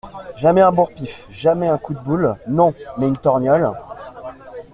Jamais un bourre-pif, jamais un coup de boule, non, mais une torgnole